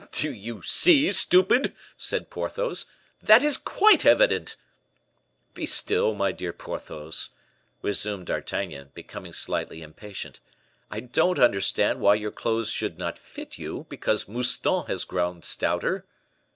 "Do you see, stupid?" said Porthos, "that is quite evident!" "Be still, my dear Porthos," resumed D'Artagnan, becoming slightly impatient, "I don't understand why your clothes should not fit you, because Mouston has grown stouter."